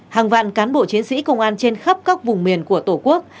hàng vạn cán bộ chiến sĩ công an trên khắp các vùng miền của tổ quốc